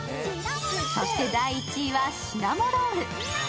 そして第１位は、シナモロール。